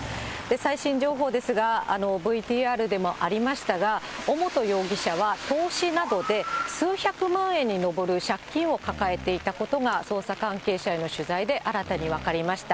最新情報ですが、ＶＴＲでもありましたが、尾本容疑者は投資などで数百万円に上る借金を抱えていたことが、捜査関係者への取材で新たに分かりました。